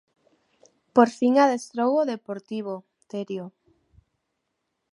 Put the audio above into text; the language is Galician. Por fin adestrou o Deportivo, Terio.